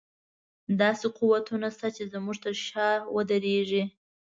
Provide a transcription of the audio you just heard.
داسې قوتونه شته چې زموږ تر شا ودرېږي.